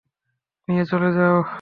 নিয়ে চলে যাও।